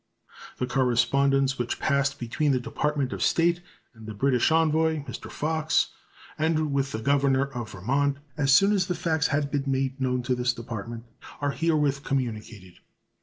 The correspondence which passed between the Department of State and the British envoy, Mr. Fox, and with the governor of Vermont, as soon as the facts had been made known to this department, are herewith communicated.